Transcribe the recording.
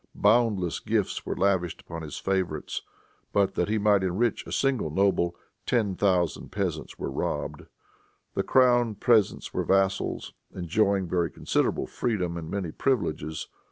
Boundless gifts were lavished upon his favorites. But that he might enrich a single noble, ten thousand peasants were robbed. The crown peasants were vassals, enjoying very considerable freedom and many privileges.